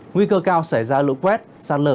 nguy cơ cao xảy ra lũ quét sát lở